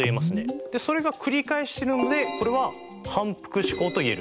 それがくり返してるのでこれは反復試行と言える。